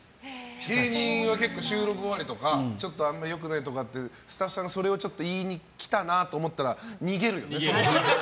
芸人は収録終わりとかちょっとあんまり良くないところとかスタッフさんがそれを言いに来たなと思ったら逃げるよね。